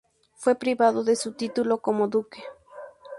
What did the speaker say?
Fue privado de su título como duque.